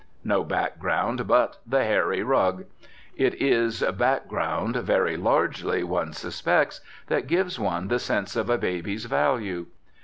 No background but the hairy rug. It is background (very largely), one suspects, that gives one the sense of a baby's value.